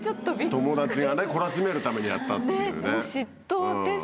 友達が懲らしめるためにやったっていうね。